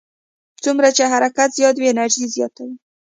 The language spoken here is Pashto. څومره چې حرکت زیات وي انرژي زیاته وي.